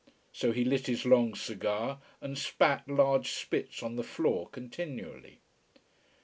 So he lit his long cigar and spat large spits on the floor, continually.